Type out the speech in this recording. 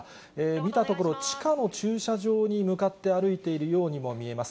見たところ、地下の駐車場に向かって歩いているようにも見えます。